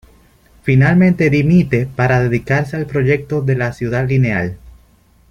Finalmente dimite para dedicarse al proyecto de la Ciudad Lineal.